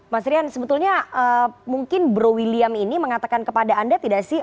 mas rian sebetulnya mungkin bro william ini mengatakan kepada anda tidak sih